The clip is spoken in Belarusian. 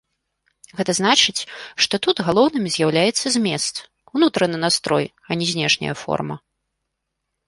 Гэта значыць, што тут галоўным з'яўляецца змест, унутраны настрой, а не знешняя форма.